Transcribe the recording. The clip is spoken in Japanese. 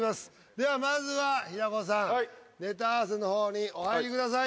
ではまずは平子さんネタ合わせのほうにお入りください。